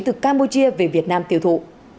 từ campuchia về việt nam tiêu thụ